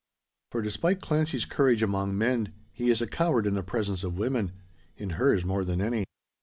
For despite Clancy's courage among men, he is a coward in the presence of women in hers more than any.